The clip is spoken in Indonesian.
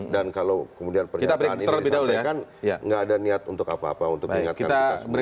dan kalau kemudian pernyataan ini disampaikan nggak ada niat untuk apa apa untuk mengingatkan kita semua